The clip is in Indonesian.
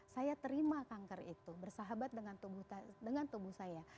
saya terima kanker itu bersahabat dengan tubuh saya